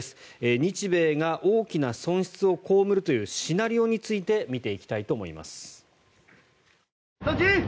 日米が大きな損失を被るというシナリオについて見ていきたいと思います。